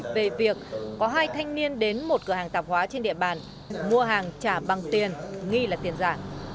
về việc có hai thanh niên đến một cửa hàng tạp hóa trên địa bàn mua hàng trả bằng tiền nghi là tiền giả